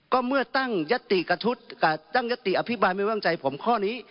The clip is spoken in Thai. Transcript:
ก็เมื่อตั้งยตติกระทุดกะตั้งยตติอภิกษ์บ้านไม่ว่างใจผมข้อนี้